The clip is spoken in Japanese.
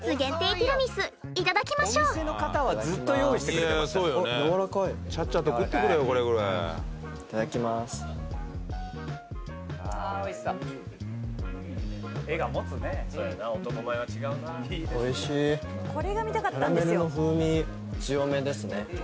キャラメルの風味強めですね。